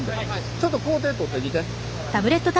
ちょっと工程撮ってきて。